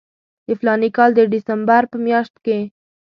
د فلاني کال د ډسمبر په میاشت کې.